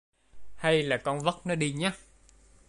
Hay là con vất nó đi nhá